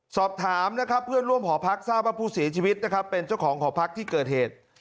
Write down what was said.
สอบถามเพื่อนร่วมห่อพักซาพะผู้เสียชีวิตเป็นเจ้าของห่อพักที่เกิดเหตุ